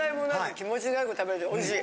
気持ちがよく食べれておいしい。